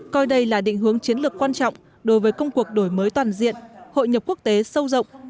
coi đây là định hướng chiến lược quan trọng đối với công cuộc đổi mới toàn diện hội nhập quốc tế sâu rộng